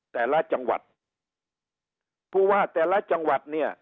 แต่ละจังหวัดผู้ว่าแต่ละจังหวัดเนี่ย